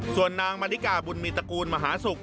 ส่วนนางมาริกาบุญมีตระกูลมหาศุกร์